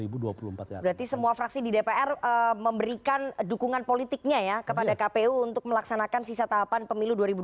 berarti semua fraksi di dpr memberikan dukungan politiknya ya kepada kpu untuk melaksanakan sisa tahapan pemilu dua ribu dua puluh